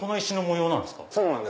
そうなんですよ。